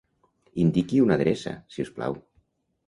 Indiqui una adreça, si us plau.